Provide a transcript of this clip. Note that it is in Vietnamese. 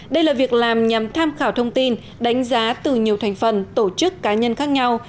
đây là việc làm nhằm tham khảo thông tin đánh giá từ nhiều thành phần tổ chức cá nhân khác nhau